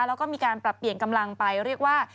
แล้วก็มีการปรับเปลี่ยนกำลังไปเรียกว่า